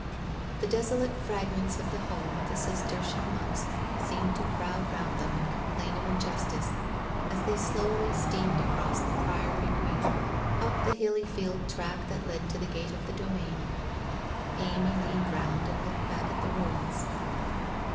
The desolate fragments of the home of the Cistercian monks seemed to crowd round them and complain of injustice, as they slowly steamed across the Priory Green up the hilly field track that led to the gate of the domain. Amy leaned round and looked back at the ruins.